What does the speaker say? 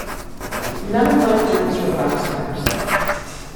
None of my heroes were rock stars.